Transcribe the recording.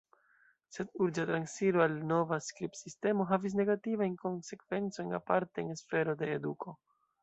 Sed urĝa transiro al nova skribsistemo havis negativajn konsekvencojn, aparte en sfero de eduko.